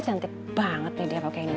cantik banget nih dia pakai ini